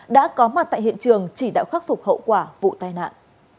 đã có mặt tại hiện trường chỉ đạo khắc phục hậu quả vụ tai nạn